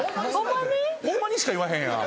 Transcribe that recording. ホンマにしか言わへんやん。